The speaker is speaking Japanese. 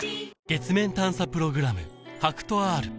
月面探査プログラム